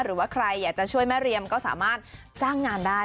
หรือว่าใครอยากจะช่วยแม่เรียมก็สามารถจ้างงานได้